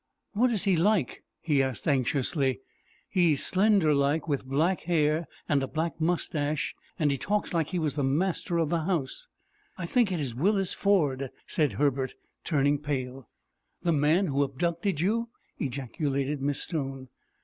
"What is he like?" he asked, anxiously. "He's slender like, with black hair and a black mustache, and he talks like he was the master of the house." "I think it is Willis Ford," said Herbert, turning pale. "The man who abducted you?" ejaculated Miss Stone.